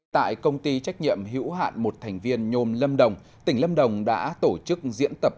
tại công ty trách nhiệm hữu hạn một thành viên nhôm lâm đồng tỉnh lâm đồng đã tổ chức diễn tập